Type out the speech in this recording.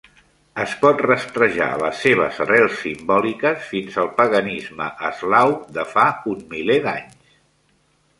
Es pot rastrejar les seves arrels simbòliques fins al paganisme eslau de fa un miler d'anys.